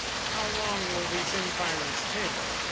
"How long will these inquiries take?"